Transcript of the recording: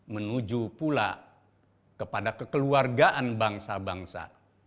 menuju pula kepada kekeluargaan bangsa bangsa